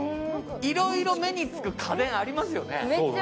いろいろ目につく家電、ありますよね。